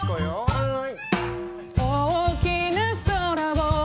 はい！